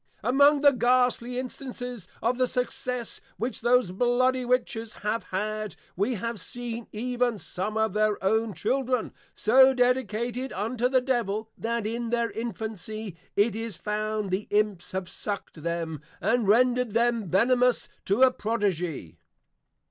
Among the Ghastly Instances of the success which those Bloody Witches have had, we have seen even some of their own Children, so dedicated unto the Devil, that in their Infancy, it is found, the Imps have sucked them, and rendred them Venemous to a Prodigy.